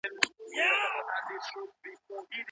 انجینري پوهنځۍ بې دلیله نه تړل کیږي.